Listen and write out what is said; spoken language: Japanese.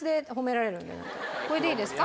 これでいいですか？